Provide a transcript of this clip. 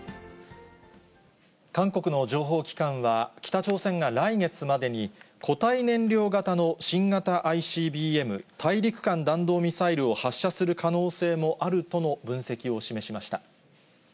韓国の情報機関は、北朝鮮が来月までに固体燃料型の新型ＩＣＢＭ・大陸間弾道ミサイルを発射する可能性もあるとの分析を示しました。